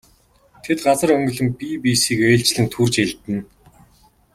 Тэд газар онгилон бие биесийг ээлжлэн түрж элдэнэ.